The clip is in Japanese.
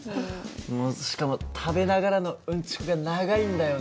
もうしかも食べながらのうんちくが長いんだよね。